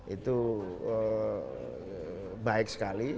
itu baik sekali